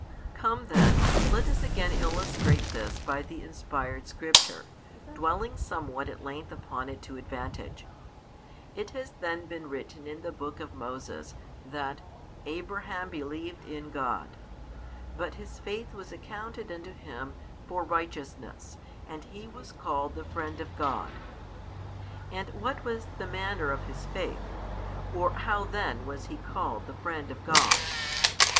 Come then, let us again illustrate this by the inspired Scripture, dwelling somewhat at length upon it to advantage. It has then been written in a book of Moses that Abraham believed in God, but his faith was accounted unto him for righteousness; and he was called the friend of God. And what was the manner of his faith, or how then was he called the friend of God?